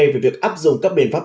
về việc áp dụng các biện pháp